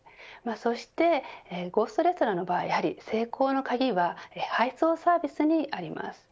そしてゴーストレストランの場合成功の鍵は配送サービスにあります。